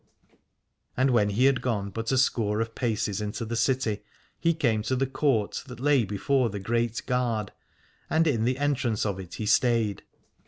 And when he had gone but a score of paces into the city, he came to the court that lay before the great Gard, and in the entrance of it he stayed.